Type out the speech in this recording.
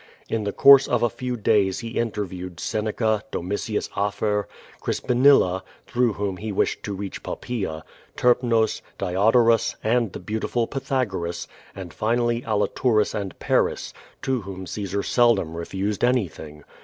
In the course of a few days he interviewed Seneca, Domitius Afer, Crispinilla (througli whom he wislied to reach Po])|)aea), Terpnos, Diodo nis, and the l)eautiful Pythagoras, and finally Aliturus and Paris, to whom Caesar seldom refused anything.